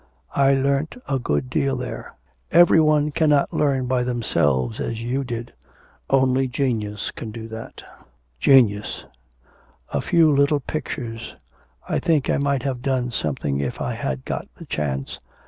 'I learnt a good deal there. Every one cannot learn by themselves as you did. Only genius can do that.' 'Genius! A few little pictures ... I think I might have done something if I had got the chance.